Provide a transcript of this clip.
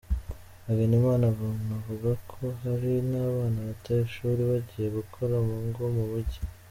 Hagenimana anavuga ko hari n’abana bata ishuri bagiye gukora mu ngo mu mijyi.